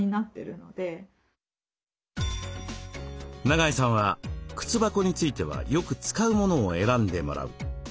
永井さんは靴箱についてはよく使うものを選んでもらう。